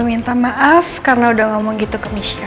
gue minta maaf karena udah ngomong gitu ke miska